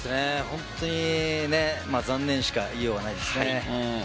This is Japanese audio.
本当に残念しか言いようがないですね。